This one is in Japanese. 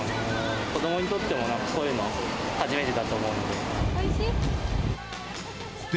子どもにとっても、そういうの初めてだと思うんで。